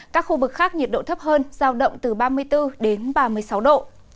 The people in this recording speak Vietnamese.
các khu vực khác nhiệt độ thấp hơn giao động từ ba mươi bốn đến ba mươi sáu độ